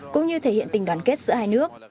cũng như thể hiện tình đoàn kết giữa hai nước